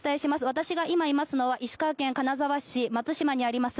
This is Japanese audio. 私が今いますのは石川県金沢市松島にあります